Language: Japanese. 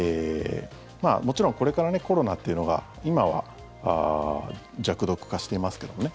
もちろんこれからコロナっていうのが今は弱毒化してますけどもね。